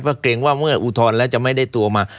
เพราะเกรงว่าเมื่ออุทธรณ์แล้วจะไม่ได้ตัวมา